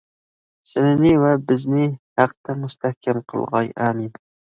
سىلىنى ۋە بىزنى ھەقتە مۇستەھكەم قىلغاي ئامىن!